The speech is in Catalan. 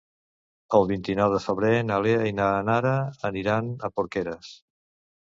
El vint-i-nou de febrer na Lea i na Nara aniran a Porqueres.